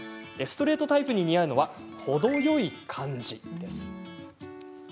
ストレートタイプに似合うのは程よい感じです。